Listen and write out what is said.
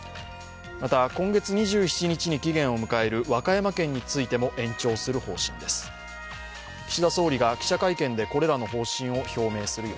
また今月２７日に期限を迎える和歌山県についても延長する方針です。